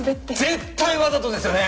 絶対わざとですよね？